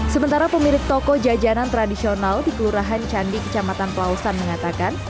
sementara pemilik toko jajanan tradisional di kelurahan candi kecamatan klausan mengatakan